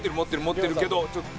持ってるけどちょっと。